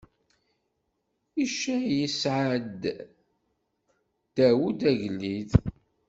Icay isɛa-d Dawed, agellid.